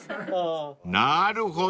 ［なるほど。